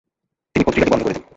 তিনি পত্রিকাটি বন্ধ করে দেন।